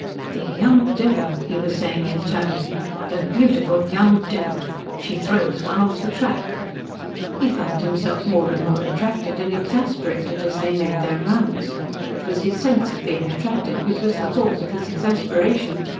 "The young devil," he was saying internally. "The beautiful young devil! She throws one off the track." He found himself more and more attracted and exasperated as they made their rounds. It was his sense of being attracted which was the cause of his exasperation.